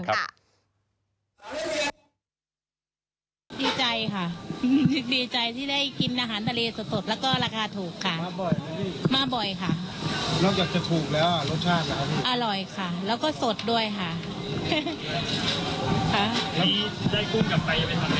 ค่ะแล้วก็สดด้วยค่ะค่ะพอดีสั่งให้น้องเขาอบเนยให้ค่ะ